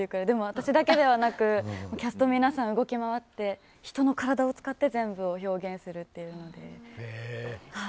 でも、私だけじゃなくてキャスト皆さん、動き回って人の体を使って全部を表現するという。